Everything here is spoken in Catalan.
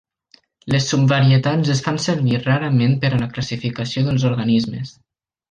Les subvarietats es fan servir rarament per la classificació dels organismes.